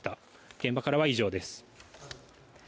現場からは以上です。